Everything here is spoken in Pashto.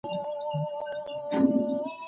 د سزا تطبيق د عدالت نښه ده.